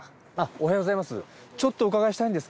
おはようございます。